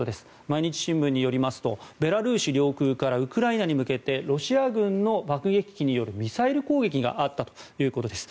毎日新聞によりますとベラルーシ領空からウクライナに向けてロシア軍の爆撃機によるミサイル攻撃があったということです。